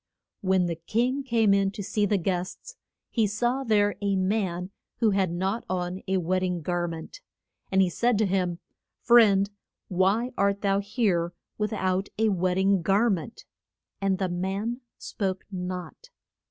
] When the king came in to see the guests, he saw there a man who had not on a wed ding gar ment. And he said to him, Friend, why art thou here with out a wed ding gar ment. And the man spoke not.